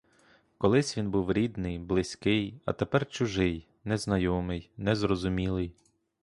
Колись він був рідний близький, а тепер чужий, незнайомий, незрозумілий!